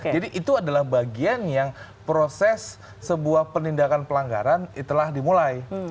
jadi itu adalah bagian yang proses sebuah penindakan pelanggaran telah dimulai